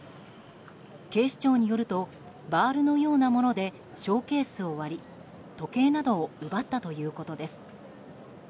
警視庁によるとバールのようなものでショーケースを割り時計などを奪ったということです。